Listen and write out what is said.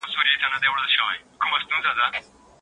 زماسره له يوې خرما پرته بل شی نه وو.